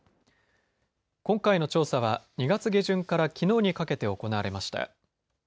今回の調査は２月下旬からきのうにかけて行われました。